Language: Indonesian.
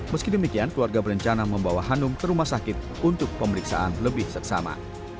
meski demikian keluarga berencana membawa hanum ke rumah sakit untuk pemeriksaan lebih seksama